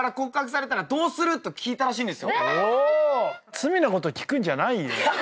罪なこと聞くんじゃないよ。